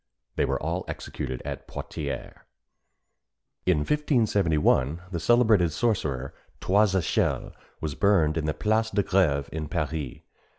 They were all executed at Poitiers. In 1571 the celebrated sorcerer Trois Echelles was burned in the Place de Grève in Paris.